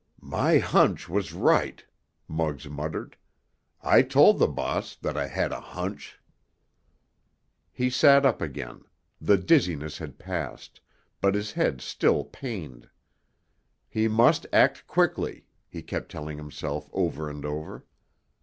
"My hunch was right," Muggs muttered. "I told the boss—that I had a hunch!" He sat up again; the dizziness had passed, but his head still pained. He must act quickly, he kept telling himself over and over.